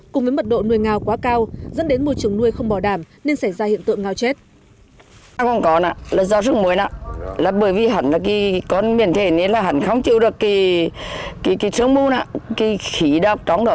cùng với mật độ nuôi ngao quá cao dẫn đến môi trường nuôi không bỏ đảm nên xảy ra hiện tượng ngao chết